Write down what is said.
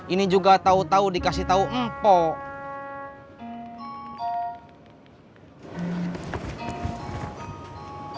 ini juga tahu tahu dikasih tahu empok